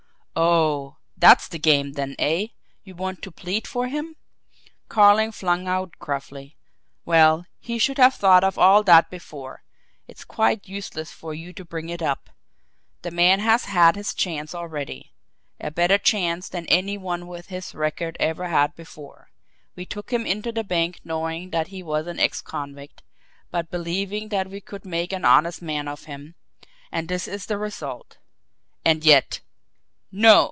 "Oh, that's the game then, eh? You want to plead for him?" Carling flung out gruffly. "Well, he should have thought of all that before! It's quite useless for you to bring it up. The man has had his chance already a better chance than any one with his record ever had before. We took him into the bank knowing that he was an ex convict, but believing that we could make an honest man of him and this is the result." "And yet " "NO!"